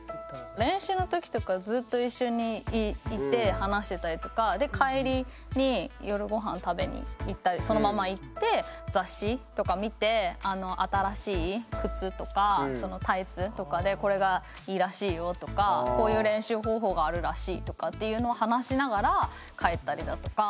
練習の時とかずっと一緒にいて話してたりとか帰りに夜ごはん食べに行ったりそのまま行って雑誌とか見て新しい靴とかタイツとかでこれがいいらしいよとかこういう練習方法があるらしいとかっていうのを話しながら帰ったりだとか。